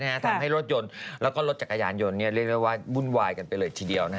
ทำให้รถยนต์แล้วก็รถจักรยานยนต์เรียกได้ว่าวุ่นวายกันไปเลยทีเดียว